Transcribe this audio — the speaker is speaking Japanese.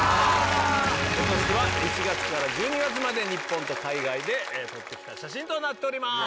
ことしは１月から１２月まで、日本と海外で撮ってきた写真となっております。